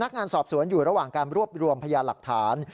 งานสอบสวนอยู่ระหว่างการรวบรวมพยานหลักฐาน